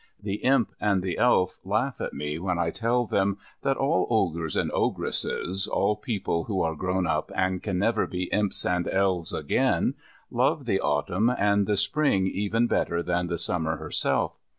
The Imp and the Elf laugh at me when I tell them that all Ogres and Ogresses, all people who are grown up and can never be Imps and Elves again, love the Autumn and the Spring even better than the Summer herself.